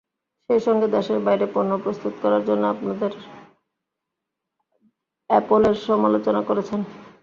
সেই সঙ্গে দেশের বাইরে পণ্য প্রস্তুত করার জন্য অ্যাপলের সমালোচনা করেছেন।